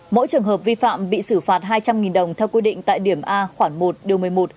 mỗi trường hợp vi phạm bị xử phạt hai trăm linh đồng theo quy định tại điểm a khoảng một điều một mươi một